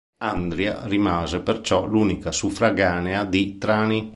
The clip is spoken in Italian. Andria rimase perciò l'unica suffraganea di Trani.